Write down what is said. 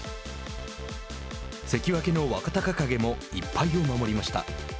関脇の若隆景も１敗を守りました。